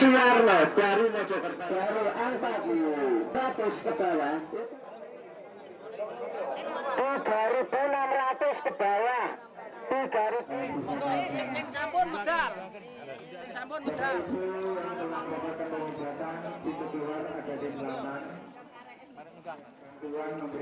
berita berita yang ditunjukkan kepada pak sinarloh dari mojokerto